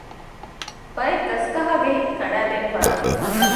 ބައެއް ގަސްގަހާގެހި ކަނޑައިދޭނެ ފަރާތެއް ހޯދަން